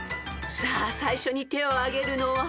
［さあ最初に手をあげるのは］